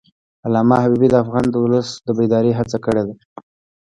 علامه حبیبي د افغان ولس د بیدارۍ هڅه کړې ده.